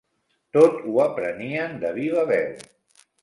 Tot ho aprenien de viva veu.